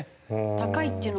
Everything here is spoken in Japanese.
高いっていうのは？